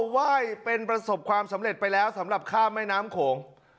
ไหว้เป็นประสบความสำเร็จไปแล้วสำหรับข้ามแม่น้ำโขง